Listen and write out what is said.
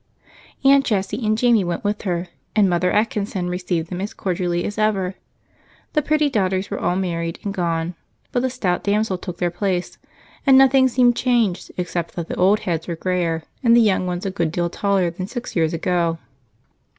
Aunt Jessie and Jamie went with her, and Mother Atkinson received them as cordially as ever. The pretty daughters were all married and gone, but a stout damsel took their place, and nothing seemed changed except that the old heads were grayer and the young ones a good deal taller than six years ago.